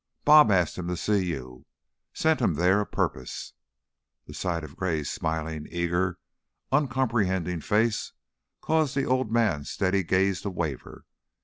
'Bob' asked him to see you sent him there a purpose." The sight of Gray's smiling, eager, uncomprehending face caused the old man's steady gaze to waver.